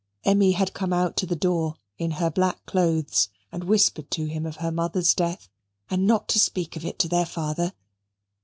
Emmy had come out to the door in her black clothes and whispered to him of her mother's death, and not to speak of it to their father.